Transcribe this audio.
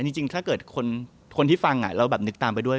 จริงถ้าเกิดคนที่ฟังเราแบบนึกตามไปด้วย